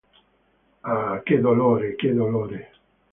Ah, che dolore, che dolore!